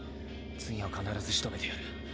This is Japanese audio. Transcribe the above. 次は必ずしとめてやる。